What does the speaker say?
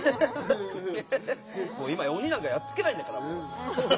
もう今や鬼なんかやっつけないんだから。